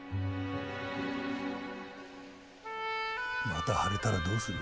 また腫れたらどうする？